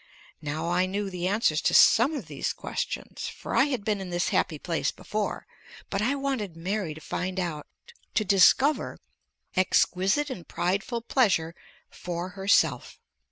Now I knew the answers to some of these questions, for I had been in this happy place before, but I wanted Mary to find out, to discover exquisite and prideful pleasure for herself.